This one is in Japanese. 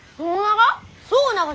そうなが！？